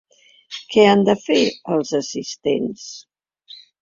Què han de fer els assistents?